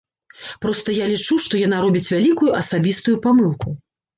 Проста я лічу, што яна робіць вялікую асабістую памылку.